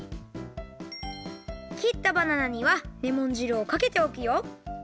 きったバナナにはレモン汁をかけておくよ。